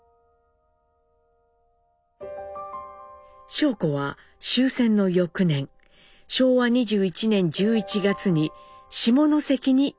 尚子は終戦の翌年昭和２１年１１月に下関に引き揚げました。